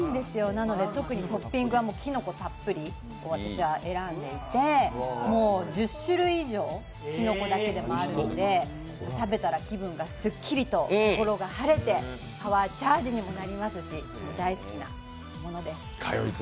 なので、特にトッピングはキノコたっぷり、私は選んでいてもう１０種類以上、キノコだけでもあるので、食べたら気分がすっきりと心が晴れてパワーチャージにもなりますし大好きなものです。